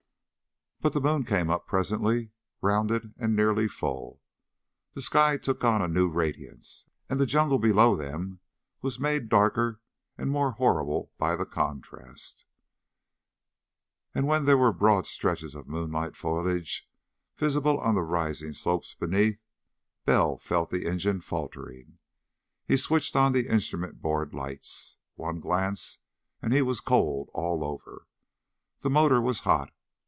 But the moon came up presently, rounded and nearly full. The sky took on a new radiance, and the jungle below them was made darker and more horrible by the contrast. And when there were broad stretches of moonlit foliage visible on the rising slopes beneath, Bell felt the engine faltering. He switched on the instrument board light. One glance, and he was cold all over. The motor was hot.